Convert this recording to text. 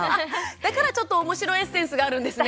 だから、ちょっとおもしろエッセンスがあるんですね。